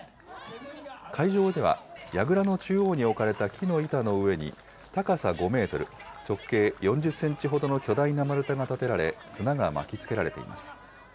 会場では、やぐらの中央に置かれた木の板の上に、高さ５メートル、直径４０センチほどの巨大な丸太が立てられ、綱が巻きつけられています。